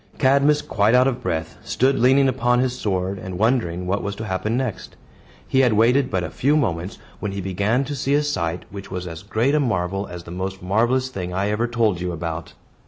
Cadmus, quite out of breath, stood leaning upon his sword, and wondering what was to happen next. He had waited but a few moments, when he began to see a sight, which was as great a marvel as the most marvelous thing I ever told you about.